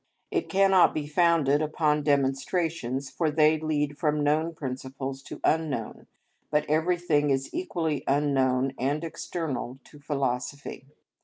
It cannot be founded upon demonstrations, for they lead from known principles to unknown, but everything is equally unknown and external to philosophy.